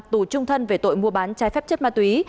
tù trung thân về tội mua bán trái phép chất ma túy